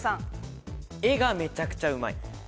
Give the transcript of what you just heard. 絵がめちゃくちゃうまい。